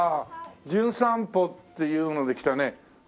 『じゅん散歩』っていうので来たね